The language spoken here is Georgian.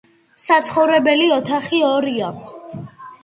საცხოვრებელი ოთახი ორია.